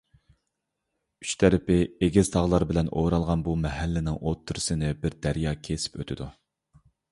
ئۈچ تەرىپى ئېگىز تاغلار بىلەن ئورالغان بۇ مەھەللىنىڭ ئوتتۇرىسىنى بىر دەريا كېسىپ ئۆتىدۇ.